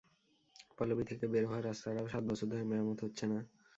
পল্লবী থেকে বের হওয়ার রাস্তাটাও সাত বছর ধরে মেরামত হচ্ছে না।